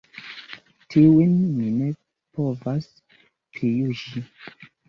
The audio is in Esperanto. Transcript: Tiujn mi ne povas prijuĝi.